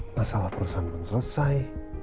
masalah perusahaan belum selesai